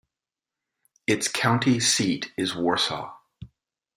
Its county seat is Warsaw.